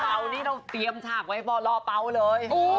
เรานี่เราเตรียมฉากไว้บอรอเปล่าเลย